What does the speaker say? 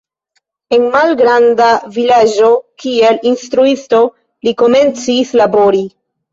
En malgranda vilaĝo kiel instruisto li komencis labori.